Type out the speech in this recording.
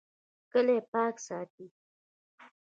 کلی پاک ساتئ